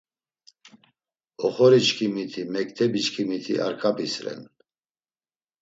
Oxoriçkimi-ti, mektebiçkimiti Arkabis ren.